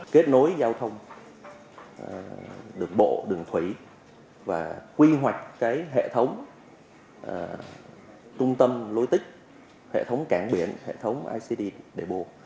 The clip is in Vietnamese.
kết nối giao thông đường bộ đường thủy và quy hoạch hệ thống trung tâm lối tích hệ thống cảng biển hệ thống icd đề bộ